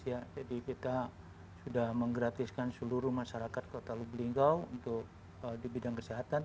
jadi kita sudah menggratiskan seluruh masyarakat kota lubuk linggal untuk di bidang kesehatan